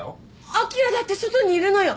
あきらだって外にいるのよ。